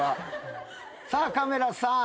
さあカメラさん。